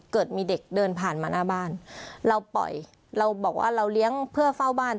เกิดมีเด็กเดินผ่านมาหน้าบ้านเราปล่อยเราบอกว่าเราเลี้ยงเพื่อเฝ้าบ้าน